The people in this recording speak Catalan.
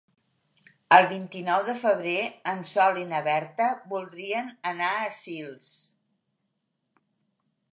El vint-i-nou de febrer en Sol i na Berta voldrien anar a Sils.